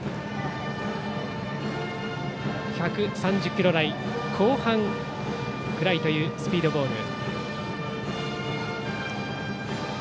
１３０キロ台後半ぐらいというスピードボール。